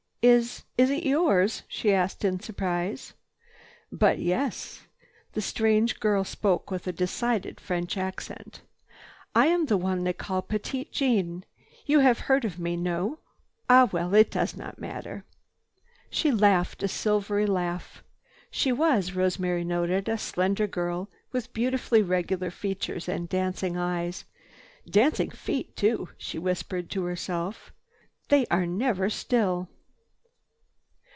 "Is—is it yours?" she asked in surprise. "But yes." The strange girl spoke with a decided French accent. "I am the one they call Petite Jeanne. You have heard of me. No? Ah well, it does not matter." She laughed a silvery laugh. She was, Rosemary noted, a slender girl with beautifully regular features and dancing eyes. "Dancing feet too," she whispered to herself. "They are never still."